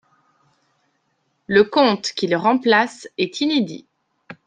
Le conte qui le remplace est inédit.